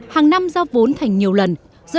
hàng năm giao vốn thành nhiều lần